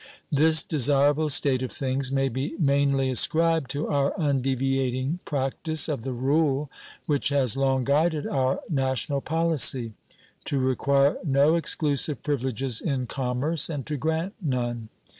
This desirable state of things may be mainly ascribed to our undeviating practice of the rule which has long guided our national policy, to require no exclusive privileges in commerce and to grant none.